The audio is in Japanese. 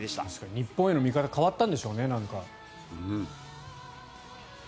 日本への見方変わったんでしょうね。